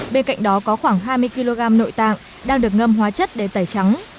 bên cạnh đó có khoảng hai mươi kg nội tạng đang được ngâm hóa chất để tẩy trắng